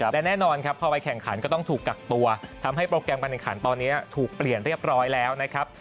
และแน่นอนครับพอไปแข่งขันก็ต้องถูกกักตัวทำให้โปรแกรมการแข่งขันตอนนี้ถูกเปลี่ยนเรียบร้อยแล้วนะครับ